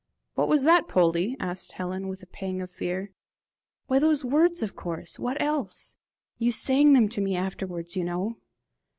"What was that, Poldie?" asked Helen with a pang of fear. "Why, those words of course what else? You sang them to me afterwards, you know.